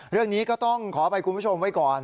เรื่องนี้ก็ต้องขออภัยคุณผู้ชมไว้ก่อน